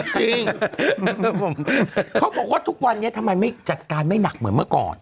จริงเขาบอกว่าทุกวันนี้ทำไมไม่จัดการไม่หนักเหมือนเมื่อก่อน